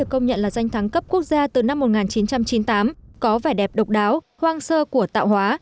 công nhận là danh thắng cấp quốc gia từ năm một nghìn chín trăm chín mươi tám có vẻ đẹp độc đáo hoang sơ của tạo hóa